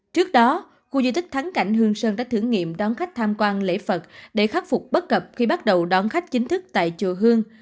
trước đó khu di tích thắng cảnh hương sơn đã thử nghiệm đón khách tham quan lễ phật để khắc phục bất cập khi bắt đầu đón khách chính thức tại chùa hương